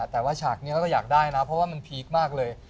แต่ว่าฉากนี้เราก็อยากได้นะเพราะว่ามันพีคมากเลย